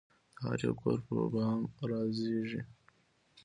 د هریو کور پربام رازیږې